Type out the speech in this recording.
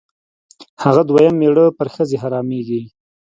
هغه دویم مېړه پر ښځې حرامېږي.